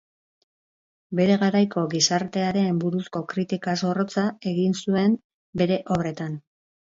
Bere garaiko gizarteari buruzko kritika zorrotza egin zuen bere obretan.